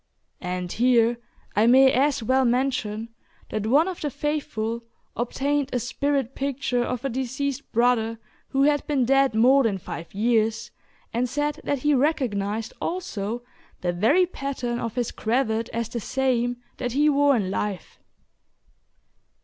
And here I may as well mention that one of the faithful obtained a "spirit" picture of a deceased brother who had been dead more than five years, and said that he recognized also the very pattern of his cravat as the same that he wore in life.